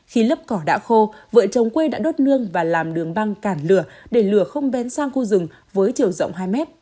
khi lấp cỏ đã khô vợ chồng quê đã đốt nương và làm đường băng cản lửa để lửa không bén sang khu rừng với chiều rộng hai m